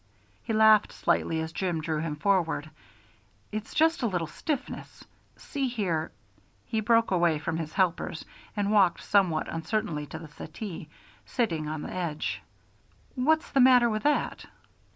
He laughed slightly as Jim drew him forward. "It's just a little stiffness. See here " he broke away from his helpers and walked somewhat uncertainly to the settee, sitting on the edge. "What's the matter with that?"